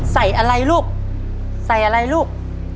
ใส่อะไรลูกใส่อะไรลูก